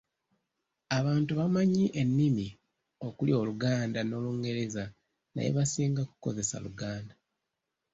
Abantu bamanyi ennimi okuli Oluganda n’Olungereza naye basinga kukozesa Luganda.